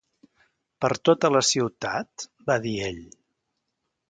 "Per tota la ciutat?" va dir ell.